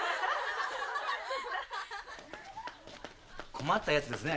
困ったやつですね